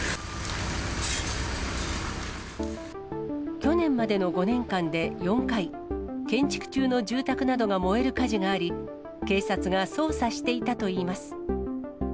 去年までの５年間で４回、建築中の住宅などが燃える火事があり、警察が捜査していたといいます。